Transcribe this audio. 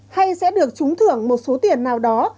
hay sẽ được trúng thưởng một số tiền nào đó